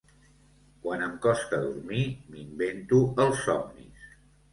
Quan em costa dormir m'invento els somnis.